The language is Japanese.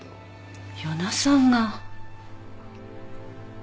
与那さんが。